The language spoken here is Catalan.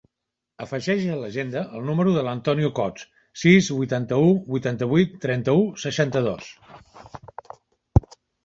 Afegeix a l'agenda el número de l'Antonio Cots: sis, vuitanta-u, vuitanta-vuit, trenta-u, seixanta-dos.